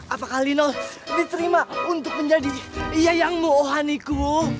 apakah lino diterima untuk menjadi yayangmu oh haniku